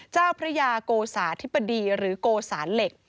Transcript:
เจ้าพระยาโกสาธิบดีหรือโกสานเหล็ก